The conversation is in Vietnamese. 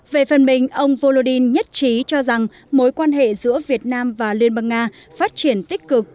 về phần mình ông volodin nhất trí cho rằng mối quan hệ giữa việt nam và liên bang nga phát triển tích cực